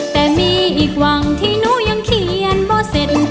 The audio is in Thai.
แต่มีอีกวังที่หนูยังเขียนบ่เสร็จ